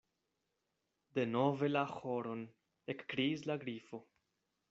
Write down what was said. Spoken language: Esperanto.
"Denove la ĥoron," ekkriis la Grifo.